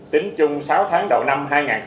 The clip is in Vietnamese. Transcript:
tính chung sáu tháng đầu năm hai nghìn hai mươi